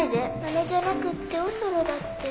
マネじゃなくっておそろだって。